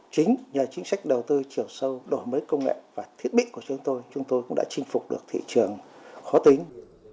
chính nhờ chính sách đầu tư chiều sâu đổi mới công nghệ và thiết bị của chúng tôi chúng tôi cũng đã chinh phục được thị trường khó tính